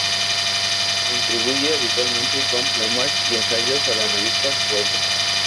Contribuye habitualmente con poemas y ensayos a la revista "Poetry".